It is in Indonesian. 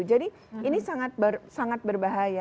jadi ini sangat berbahaya